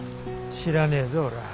知らねえぞ俺は。